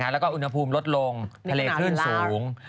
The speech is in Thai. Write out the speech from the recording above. แล้วก็อุณหภูมิลดลงทะเลคลื่นสูง